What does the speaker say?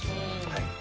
はい。